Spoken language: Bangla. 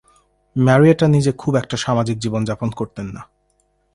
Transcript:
ম্যারিয়েটা নিজে খুব একটা সামাজিক জীবন যাপন করতেন না।